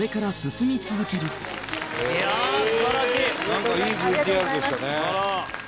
なんかいいＶＴＲでしたね。